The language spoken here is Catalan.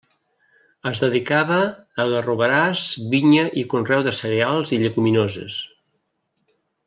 Es dedicava a garroverars, vinya i conreu de cereals i lleguminoses.